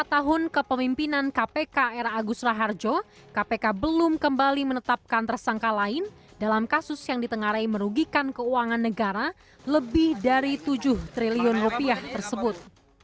kasus lain yang pengusuhan kpk ini adalah kemampuan kpk ini adalah kemampuan kpk untuk menjaga kekuasaan negara lebih dari tujuh triliun rupiah tersebut